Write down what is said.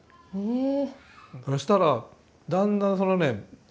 ええ。そしたらだんだんそのね